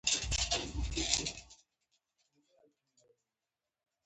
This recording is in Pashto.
دلته ژلۍ ووري